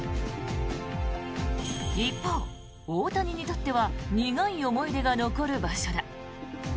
一方、大谷にとっては苦い思い出が残る場所だ。